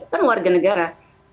kan warga negara